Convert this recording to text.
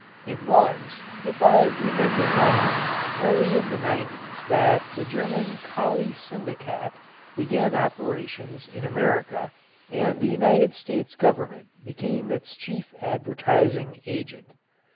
It was, if I remember right, early in the nineties that the German Kali Syndikat began operations in America and the United States Government became its chief advertising agent.